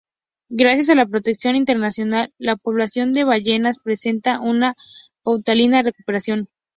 Gracias a la protección internacional, la población de ballenas presenta una paulatina recuperación.